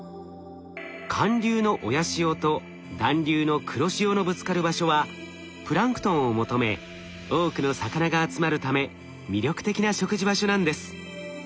寒流の親潮と暖流の黒潮のぶつかる場所はプランクトンを求め多くの魚が集まるため魅力的な食事場所なんです。